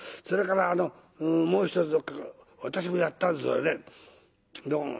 それからもう一つ私もやったんですがね